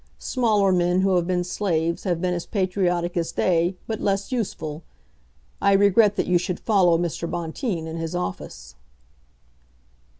Smaller men who have been slaves, have been as patriotic as they, but less useful. I regret that you should follow Mr. Bonteen in his office."